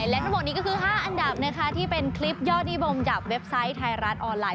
และทั้งหมดนี้ก็คือ๕อันดับนะคะที่เป็นคลิปยอดนิยมจากเว็บไซต์ไทยรัฐออนไลน